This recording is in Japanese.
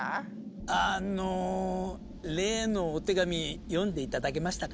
あの例のお手紙読んでいただけましたか？